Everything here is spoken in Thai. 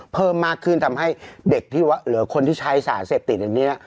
เพิ่มมากขึ้นทำให้เด็กที่เหลือคนที่ใช้สารเสพติดอันนี้